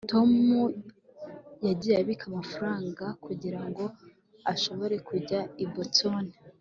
tom yagiye abika amafaranga kugirango ashobore kujya i boston